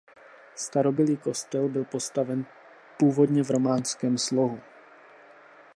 Starobylý kostel byl postaven původně v románském slohu.